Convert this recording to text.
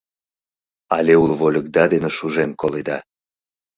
Але уло вольыкда дене шужен коледа!